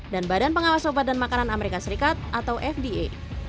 dan badan pengawas obat dan makanan amerika serikat atau fda